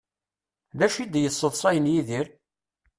D acu i d-yesseḍṣayen Yidir?